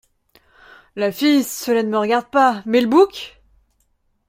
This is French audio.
La fille, cela ne me regarde pas, mais le bouc !…